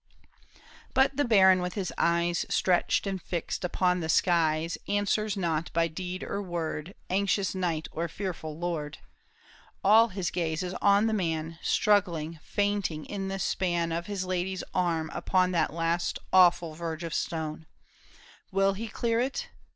But the baron with his eyes Stretched and fixed upon the skies, Answers not by deed or word Anxious knight or fearful lord. All his gaze is on the man Struggling, fainting in the span Of his lady's arms, upon That last awful verge of stone. Will he clear it